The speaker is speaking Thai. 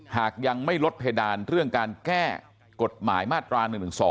หากยังไม่ลดเพดานเรื่องการแก้กฎหมายมาตรา๑๑๒